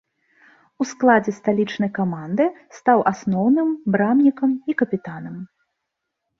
У складзе сталічнай каманды стаў асноўным брамнікам і капітанам.